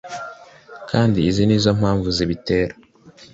kandi izi nizo mpamvu zibitera